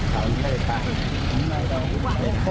ก็ทำเลยครับ